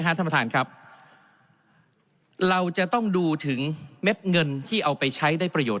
ท่านประธานครับเราจะต้องดูถึงเม็ดเงินที่เอาไปใช้ได้ประโยชน